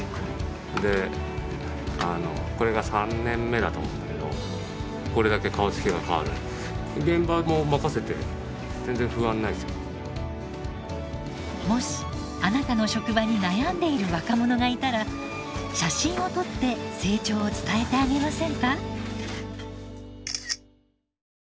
であのこれが３年目だと思うんだけどもしあなたの職場に悩んでいる若者がいたら写真を撮って成長を伝えてあげませんか？